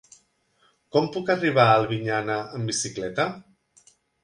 Com puc arribar a Albinyana amb bicicleta?